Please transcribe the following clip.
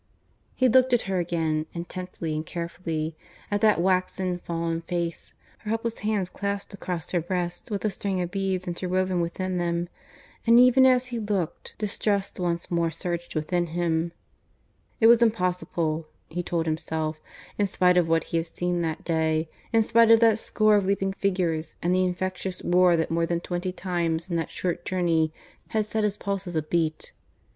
He looked at her again, intently and carefully at that waxen, fallen face, her helpless hands clasped across her breast with a string of beads interwoven within them; and even as he looked distrust once more surged within him, It was impossible, he told himself in spite of what he had seen that day in spite of that score of leaping figures and the infectious roar that more than twenty times in that short journey had set his pulses a beat.